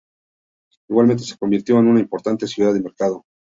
Igualmente, se convirtió en una importante ciudad de mercado.